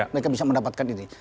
mereka bisa mendapatkan ini